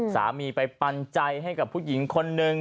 สามีไปปันใจให้กับผู้หญิงคนนึง